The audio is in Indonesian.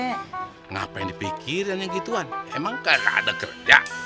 kenapa yang dipikirin yang gituan emang gak ada kerja